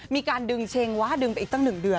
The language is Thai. มีการดึงเชงว่าดึงไปอีกตั้ง๑เดือน